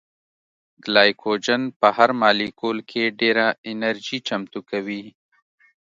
ګلایکوجن په هر مالیکول کې ډېره انرژي چمتو کوي